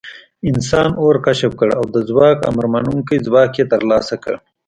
انسان اور کشف کړ او د ځواک امرمنونکی ځواک یې تر لاسه کړ.